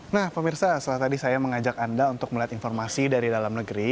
nah pemirsa setelah tadi saya mengajak anda untuk melihat informasi dari dalam negeri